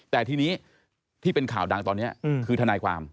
แต่ทีนี้ที่เป็นข่าวดังตอนนี้คือทนายความ